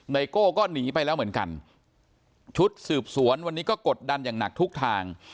โก้ก็หนีไปแล้วเหมือนกันชุดสืบสวนวันนี้ก็กดดันอย่างหนักทุกทาง